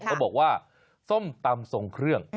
เขาบอกว่าส้มตำทรงเครื่อง